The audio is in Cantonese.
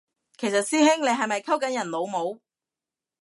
其實師兄你係咪溝緊人老母？